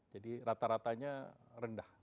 jadi rata ratanya rendah